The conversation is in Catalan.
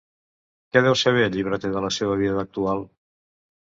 Què deu saber el llibreter de la seva vida actual?